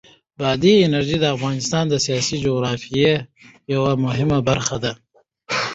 بادي انرژي د افغانستان د سیاسي جغرافیه یوه مهمه برخه ده.